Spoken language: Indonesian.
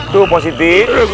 tuh pak siti